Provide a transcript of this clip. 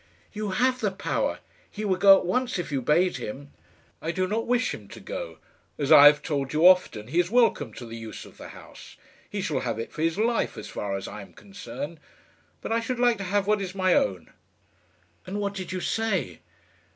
"You have the power. He would go at once if you bade him." "I do not wish him to go. As I have told you often, he is welcome to the use of the house. He shall have it for his life, as far as I am concerned. But I should like to have what is my own." "And what did you say?"